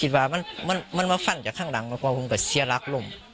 คิดว่ามันมาฝั่งจากข้างหลังมันประคุมกับเสียลักษณ์ล่ม